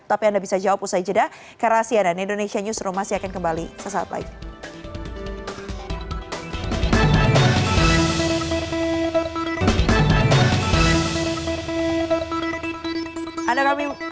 tapi anda bisa jawab usai jeda karena cnn indonesia newsroom masih akan kembali sesaat lagi